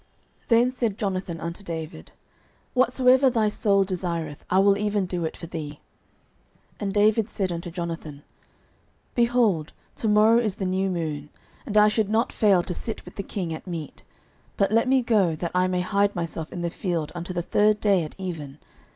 09:020:004 Then said Jonathan unto David, Whatsoever thy soul desireth, I will even do it for thee. 09:020:005 And David said unto Jonathan, Behold, to morrow is the new moon, and I should not fail to sit with the king at meat: but let me go, that I may hide myself in the field unto the third day at even.